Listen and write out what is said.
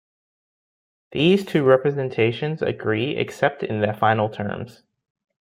These two representations agree except in their final terms.